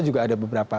juga ada beberapa